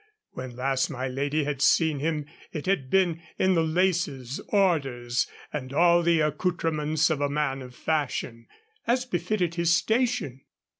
When last my lady had seen him it had been in the laces, orders, and all the accouterments of a man of fashion, as befitted his station.